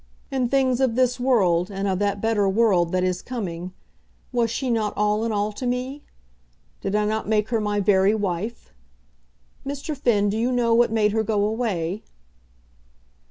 In things of this world, and of that better world that is coming, was she not all in all to me? Did I not make her my very wife? Mr. Finn, do you know what made her go away?"